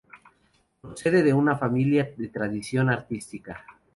Procede de una familia de tradición artística.